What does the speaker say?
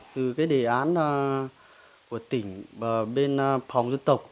từ cái đề án của tỉnh và bên phòng dân tộc